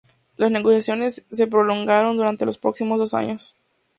Las negociaciones se prolongaron durante los próximos dos años.